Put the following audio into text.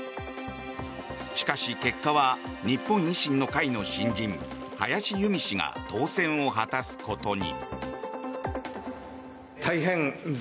しかし、結果は日本維新の会の新人林佑美氏が当選を果たすことに。